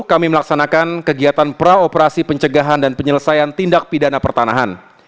kami melaksanakan kegiatan praoperasi pencegahan dan penyelesaian tindak pidana pertanahan